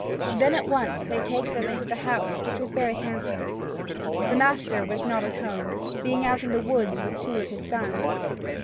Then at once they take them into the house which was very handsome. The master was not at home, being out in the woods with two of his sons.